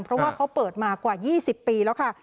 เพราะว่าเขาเปิดมากว่า๒๐ปีแล้วค่ะ